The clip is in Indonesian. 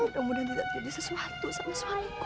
mudah mudahan tidak jadi sesuatu sama suami